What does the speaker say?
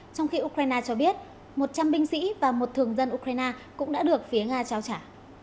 trong khi ukraine cho biết một trăm linh binh sĩ và một thường dân ukraine cũng đã được phía nga trao trả